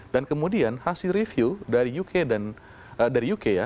dan kemudian hasil review dari uk ya